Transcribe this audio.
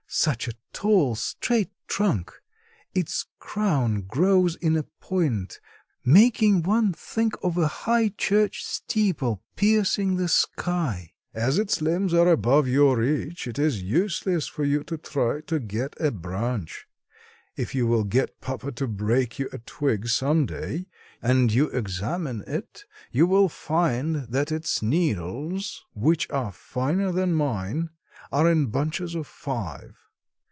Such a tall, straight trunk! Its crown grows in a point, making one think of a high church steeple piercing the sky." "As its limbs are above your reach it is useless for you to try to get a branch. If you will get papa to break you a twig some day, and you examine it, you will find that its needles, which are finer than mine, are in bunches of five.